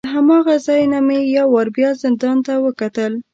له هماغه ځای نه مې یو وار بیا زندان ته وکتل.